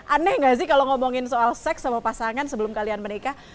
aneh gak sih kalau ngomongin soal seks sama pasangan sebelum kalian menikah